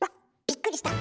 びっくりした。